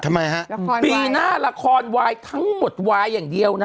ทำไมฮะละครปีหน้าละครวายทั้งหมดวายอย่างเดียวนะ